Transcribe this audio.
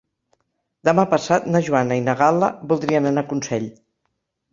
Demà passat na Joana i na Gal·la voldrien anar a Consell.